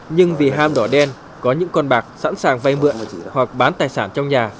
nhưng vì ham đỏ đen có những con bạc sẵn sàng vay mượn hoặc bán tài sản trong nhà